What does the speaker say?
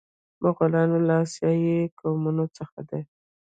مغولان له اسیایي قومونو څخه دي.